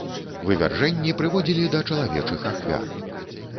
Вывяржэнні прыводзілі да чалавечых ахвяр.